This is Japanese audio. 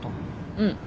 うん。